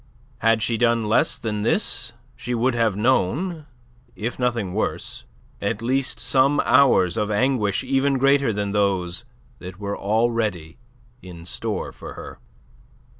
Had she done less than this, she would have known if nothing worse at least some hours of anguish even greater than those that were already in store for her.